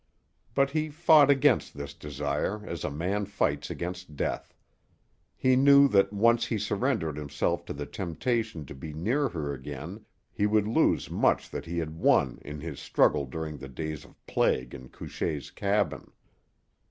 But he fought against this desire as a man fights against death. He knew that once he surrendered himself to the temptation to be near her again he would lose much that he had won in his struggle during the days of plague in Couchée's cabin.